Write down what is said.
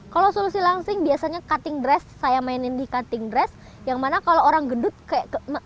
kalau solusi langsing biasanya cutting dress saya mainin di cutting dress yang mana kalau orang gendut kayak